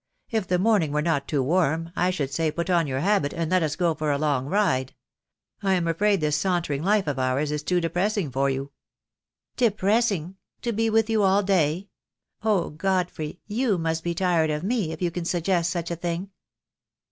If the morning were not too warm, I should say put on your habit and let us go for a long ride. I am afraid this sauntering life of ours is too depressing for you." "Depressing — to be with you all day! Oh, Godfrey, you must be tired of me if you can suggest such a thing."